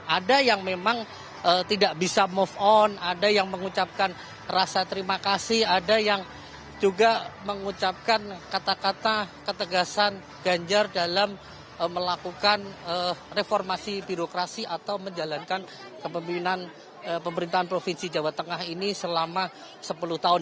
ada yang memang tidak bisa move on ada yang mengucapkan rasa terima kasih ada yang juga mengucapkan kata kata ketegasan ganjar dalam melakukan reformasi birokrasi atau menjalankan kepimpinan pemerintahan provinsi jawa tengah ini selama sepuluh tahun